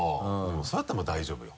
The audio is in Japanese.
それだったらもう大丈夫よ。